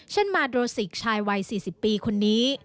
มาโดรสิกชายวัย๔๐ปีคนนี้